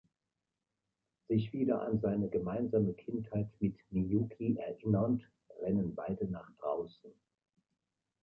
Sich wieder an seine gemeinsame Kindheit mit Miyuki erinnernd, rennen beide nach draußen.